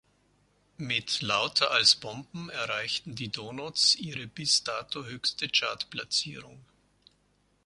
Mit "Lauter als Bomben" erreichten die Donots ihre bis dato höchste Chartplatzierung.